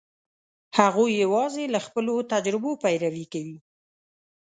هغوی یواځې له خپلو تجربو پیروي کوي.